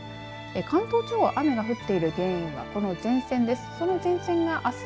関東地方、雨が降っている原因はこの前線です。